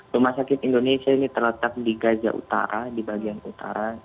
rumah sakit indonesia ini terletak di gaza utara di bagian utara